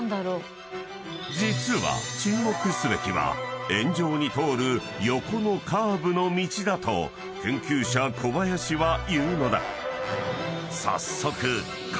［実は注目すべきは円状に通る横のカーブの道だと研究者小林は言うのだ］